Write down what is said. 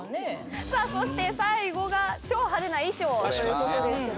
さあそして最後が超派手な衣装という事ですけど。